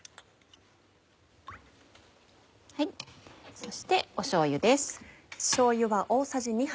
そしてしょうゆです。